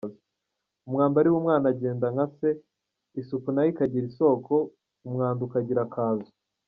Umwambari w’umwana agenda nka se, isuku nayo ikagira isoko umwanda ukagira akazu.